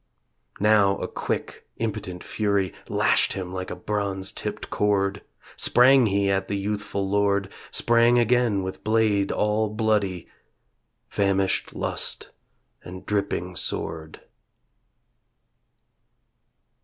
Now a quick impotent fury Lashed him like a bronze tipped cord. Sprang he at the youthful lord, Sprang again with blade all bloody ... (Famished lust and dripping sword.)